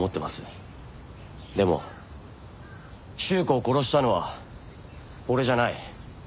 でも朱子を殺したのは俺じゃない。